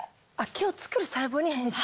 毛を作る細胞に変身。